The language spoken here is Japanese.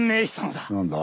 何だ？